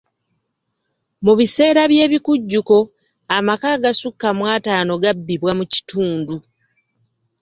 Mu biseera by'ebikujjuko, amaka agasukka mu ataano gabbibwa mu kitundu.